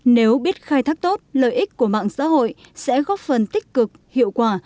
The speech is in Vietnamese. nếu biết khai thác tốt lợi ích của mạng xã hội sẽ góp phần tích cực hiệu quả